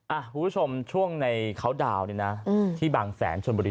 อ่ะผู้ชมช่วงในเขาท์ดาวน์เนี้ยน่ะอืมที่บางแสนชนบุรี